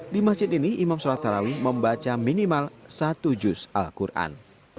di masjid ini imam sholat tarawih membaca minimal satu juz al quran